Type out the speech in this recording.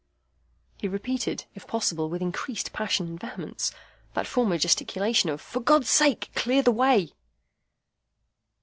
He repeated, if possible with increased passion and vehemence, that former gesticulation of, "For God's sake, clear the way!"